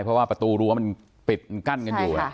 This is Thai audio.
เพราะว่าประตูรู้ว่ามันปิดกั้นกันอยู่ใช่ค่ะ